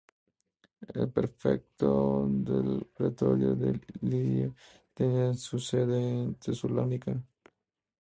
El prefecto del pretorio de Iliria tenía su sede en Tesalónica.